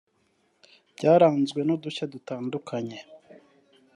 byaranzwe n’udushya dutandukanye